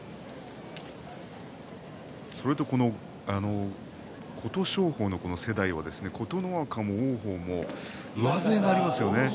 それとこの琴勝峰の世代は琴ノ若も、王鵬も上背がありますよね。